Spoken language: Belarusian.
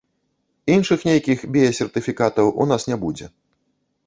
Іншых, нейкіх біясертыфікатаў, у нас не будзе.